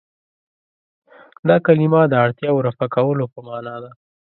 دا کلمه د اړتیاوو رفع کولو په معنا ده.